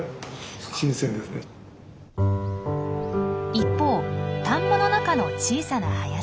一方田んぼの中の小さな林。